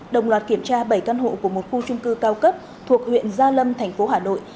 đồng loạt kiểm tra bảy căn hộ của một khu trung cư cao cấp thuộc huyện gia lâm thành phố hà nội